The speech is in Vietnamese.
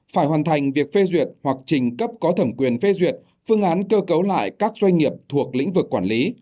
phải hoàn thành việc phê duyệt hoặc trình cấp có thẩm quyền phê duyệt phương án cơ cấu lại các doanh nghiệp thuộc lĩnh vực quản lý